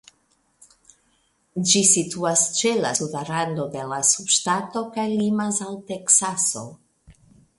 Ĝi situas ĉe la suda rando de la subŝtato kaj limas al Teksaso.